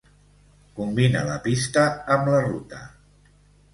Combina la pista amb la ruta.